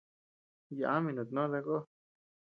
Yami nutnó takó.